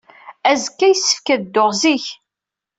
Azekka, yessefk ad dduɣ zik.